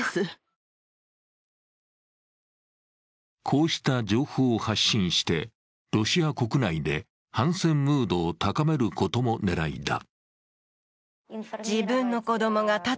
こうした情報を発信してロシア国内で反戦ムードを高めることも狙いだ。